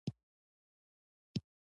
ایا په خوب کې خراری کوئ؟